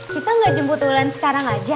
kita gak jemput bulan sekarang aja